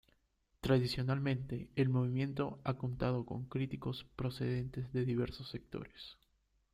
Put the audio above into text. Tradicionalmente el movimiento ha contado con críticos procedentes de diversos sectores.